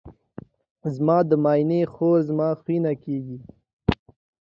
زما د ماینې خور زما خوښینه کیږي.